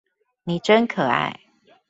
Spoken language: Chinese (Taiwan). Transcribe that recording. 你真可愛